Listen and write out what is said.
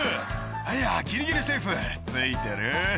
「いやギリギリセーフツイてる」